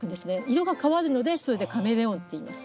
色が変わるのでそれで「カメレオン」っていいます。